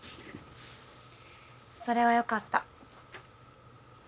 それはよかった。